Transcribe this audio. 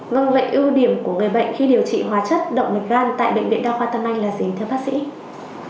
vâng vậy ưu điểm của người bệnh khi điều trị hóa chất động lực gan tại bệnh viện đa khoa tâm anh là gì thưa bác sĩ